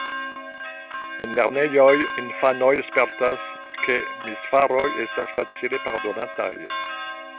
En lernejoj infanoj spertas, ke misfaroj estas facile pardonataj.